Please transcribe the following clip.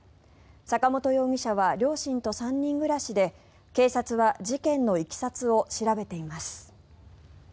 坂本容疑者は両親と３人暮らしで警察は事件のいきさつを調べています。